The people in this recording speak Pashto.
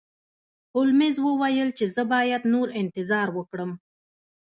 هولمز وویل چې زه باید نور انتظار وکړم.